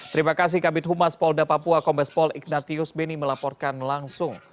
terima kasih kabit humas polda papua kombespol ignatius beni melaporkan langsung